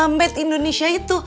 mad indonesia itu